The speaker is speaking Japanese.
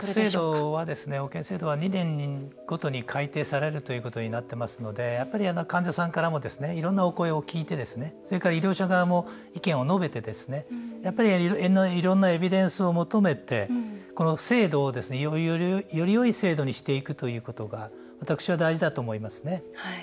この保険制度は２年ごとに改定されるということになってますのでやっぱり、患者さんからもいろんなお声を聞いてそれから医療者側も意見を述べていろんなエビデンスを求めてこの制度を、よりよい制度にしていくということが私は大事だと思いますね。